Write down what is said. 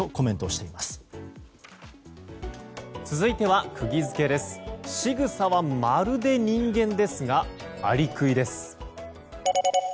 仕草はまるで人間ですがアリクイです。